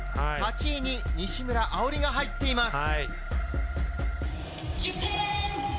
８位に西村碧莉が入っています。